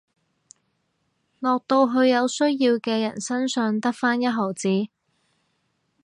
落到去有需要嘅人身上得返一毫子